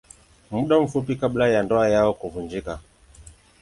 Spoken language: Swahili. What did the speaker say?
Muda mfupi kabla ya ndoa yao kuvunjika.